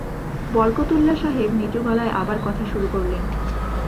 বরকতউল্লাহ সাহেব নিচু গলায় আবার কথা শুরু করলেন।